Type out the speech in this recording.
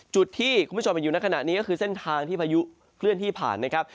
จุดที่คุณผู้ชมเห็นอยู่ในขณะนี้ก็คือเส้นทางที่พายุเคลื่อนที่ผ่านนะครับ